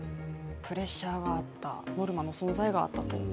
プレッシャーがあった、ノルマの存在があったと。